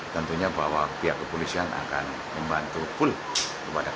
tentunya bahwa pihak kepolisian akan membantu full kepada kpk